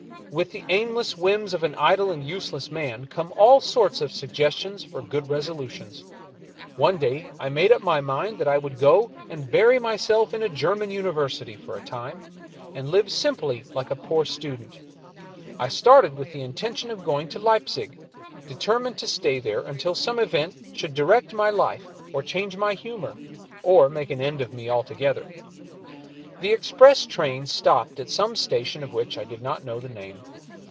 With the aimless whims of an idle and useless man come all sorts of suggestions for good resolutions. One day I made up my mind that I would go and bury myself in a German university for a time, and live simply like a poor student. I started with the intention of going to Leipzig, determined to stay there until some event should direct my life or change my humor, or make an end of me altogether. The express train stopped at some station of which I did not know the name.